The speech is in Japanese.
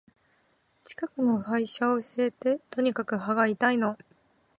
近くの歯医者教えて。とにかく歯が痛いの。